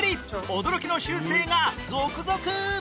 驚きの習性が続々！